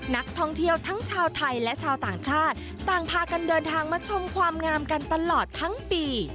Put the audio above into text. นักท่องเที่ยวทั้งชาวไทยและชาวต่างชาติต่างพากันเดินทางมาชมความงามกันตลอดทั้งปี